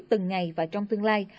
từng ngày và trong tương lai